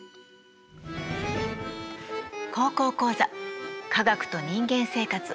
「高校講座科学と人間生活」。